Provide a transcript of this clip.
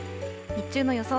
日中の予想